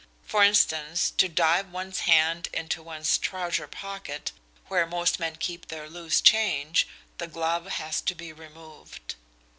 For instance, to dive one's hand into one's trouser pocket where most men keep their loose change the glove has to be removed."